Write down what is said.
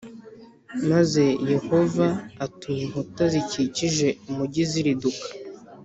Maze yehova atuma inkuta zikikije umugi ziriduka